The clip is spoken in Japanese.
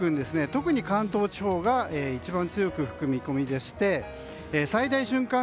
特に関東地方が一番強く吹く見込みでして最大瞬間